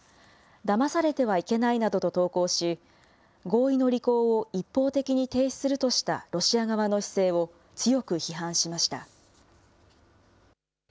だまされてはいけないなどと投稿し、合意の履行を一方的に停止するとしたロシア側の姿勢を強く批判しました。